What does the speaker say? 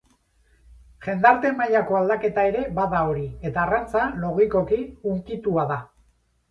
Jendarte mailako aldaketa ere bada hori, eta arrantza logikoki hunkitua da.